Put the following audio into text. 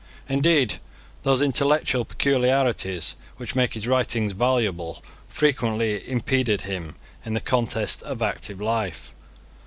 Indeed, those intellectual peculiarities which make his writings valuable frequently impeded him in the contests of active life.